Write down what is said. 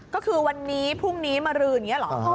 ก็คือวันนี้พรุ่งนี้มารืออย่างนี้เหรอ